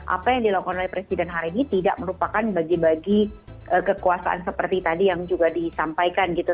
apa yang dilakukan oleh presiden hari ini tidak merupakan bagi bagi kekuasaan seperti tadi yang juga disampaikan gitu